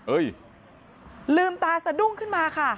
ลืมตาสะดุ้งขึ้นมาค่ะ